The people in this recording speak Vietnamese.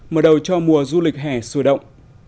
mở đầu cho mùa du lịch hẻ sùi động